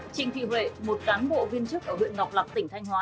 trịnh thị huệ một cán bộ viên chức ở huyện ngọc lạc tỉnh thanh hóa